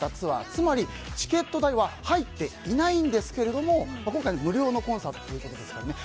つまりチケット代は入っていないんですけれども今回は無料のコンサートということですからね。